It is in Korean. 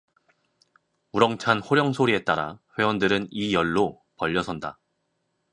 우렁찬 호령 소리에 따라 회원들은 이 열로 벌려 선다.